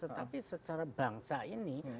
tetapi secara bangsa ini